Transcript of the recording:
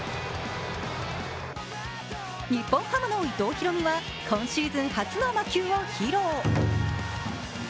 日本ハムの伊藤大海は今シーズン初の魔球を披露。